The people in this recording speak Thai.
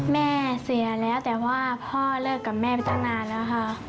แม่เสียแล้วแต่ว่าพ่อเลิกกับแม่ไปตั้งนานแล้วค่ะ